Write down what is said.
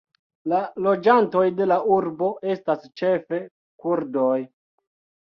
La loĝantoj de la urbo estas ĉefe kurdoj.